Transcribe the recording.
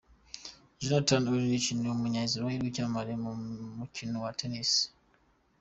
Jonathan Erlich ni umunya Israel w’icyamamare mu mukino waTennis.